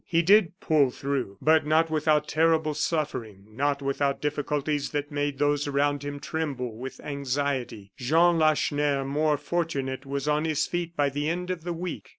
He did "pull through," but not without terrible suffering, not without difficulties that made those around him tremble with anxiety. Jean Lacheneur, more fortunate, was on his feet by the end of the week.